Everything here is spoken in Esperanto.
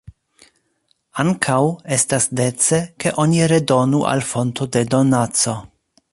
Ankaŭ, estas dece, ke oni redonu al fonto de donaco.